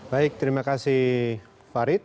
baik terima kasih farid